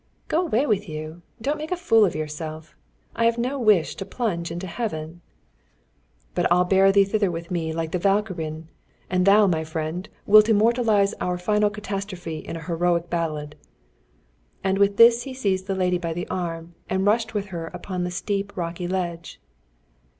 "Go away with you! Don't make a fool of yourself! I have no wish to plunge into Heaven!" "But I'll bear thee thither with me like a Valkyrian. And thou, my friend, wilt immortalize our final catastrophe in a heroic ballad." And with that he seized the lady by the arm, and rushed with her upon the steep rocky ledge.